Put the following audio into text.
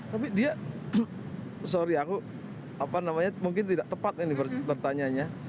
tapi dia sorry aku mungkin tidak tepat ini bertanya